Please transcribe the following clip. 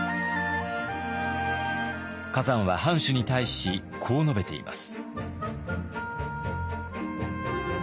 崋山は藩主に対しこう述べています。